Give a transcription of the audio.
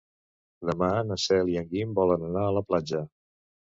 Demà na Cel i en Guim volen anar a la platja.